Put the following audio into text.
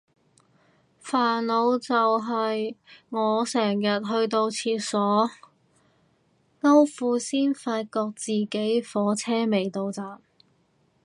煩惱就係我成日去到廁所摳褲先發覺自己火車未到站